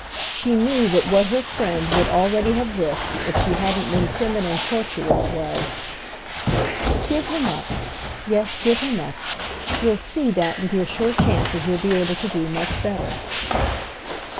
She knew that what her friend would already have risked if she hadn't been timid and tortuous was: "Give him up—yes, give him up: you'll see that with your sure chances you'll be able to do much better."